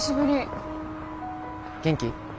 元気？